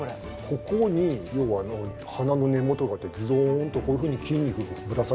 ここに要は鼻の根元があってズドーンとこういうふうに筋肉をぶら下げてるわけですよ。